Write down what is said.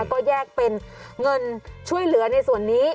แล้วก็แยกเป็นเงินช่วยเหลือในส่วนนี้